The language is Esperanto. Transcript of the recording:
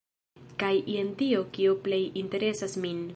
Kaj jen tio kio plej interesas min!